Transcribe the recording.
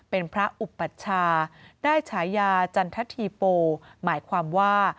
เป็นพระอุปัชชาได้ฉายาจันทธีโปหมายความว่า